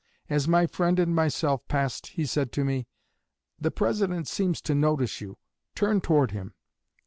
As my friend and myself passed he said to me, 'The President seems to notice you turn toward him.'